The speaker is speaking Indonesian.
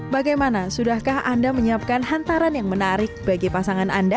bagaimana sudahkah anda menyiapkan hantaran yang menarik bagi pasangan anda